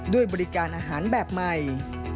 ด้วยบริการอาหารแบบใหม่